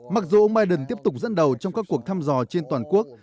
mặc dù ông biden tiếp tục dẫn đầu trong các cuộc thăm dò trên toàn quốc